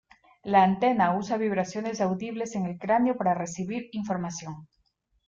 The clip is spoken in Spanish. La antena usa vibraciones audibles en el cráneo para recibir información.